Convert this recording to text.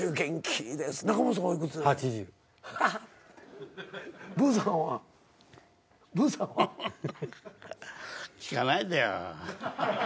聞かないでよ。